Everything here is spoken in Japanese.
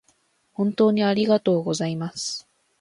本当にありがとうございます